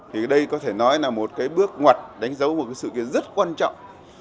thì đây có thể nói là một cái bước ngoặt đánh dấu một sự kiện rất quan trọng